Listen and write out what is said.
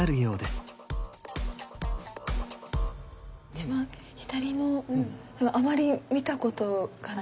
一番左のあまり見たことがない。